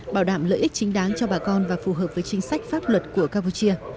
bảo đảm lợi ích chính đáng cho bà con và phù hợp với chính sách pháp luật của campuchia